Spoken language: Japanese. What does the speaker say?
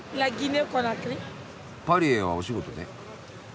パリへはお仕事で？